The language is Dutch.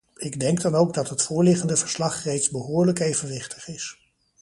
Ik denk dan ook dat het voorliggende verslag reeds behoorlijk evenwichtig is.